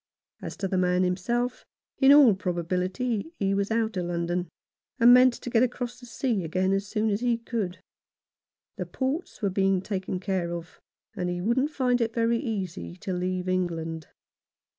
As to the man himself, in all probability he was out of London, and meant to get across the sea again as soon as he could. The ports were being taken care of, and he wouldn't find it very easy to leave England.